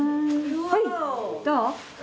はいどう？